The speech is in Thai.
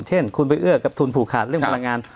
เช่นคุณไปเอื้อกับทุนผูกขาดเรื่องพลังงาน